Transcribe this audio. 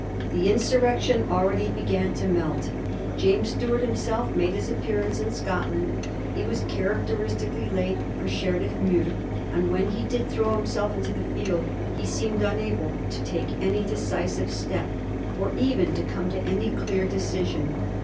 The insurrection already b^an to melt. James Stuart himself made his appearance in Scotland. He was characteristically late for Sherifl&nuir, and when he did throw himself into the field he seemed unable to take any decisive step, or even to come to any clear decision.